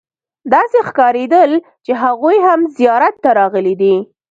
داسې ښکارېدل چې هغوی هم زیارت ته راغلي دي.